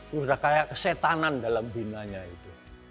sudah kayak kesetanan dalam binanya itu